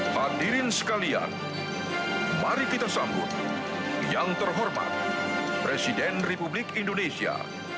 hadirin sekalian mari kita sambut yang terhormat presiden republik indonesia